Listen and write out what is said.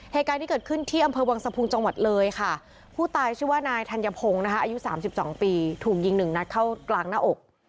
เหตุการณ์ที่เกิดขึ้นที่อำเภอวังสะพุงจังหวัดเลยค่ะผู้ตายชื่อว่านายธัญพงศ์นะคะอายุ๓๒ปีถูกยิงหนึ่งนัดเข้ากลางหน้าอก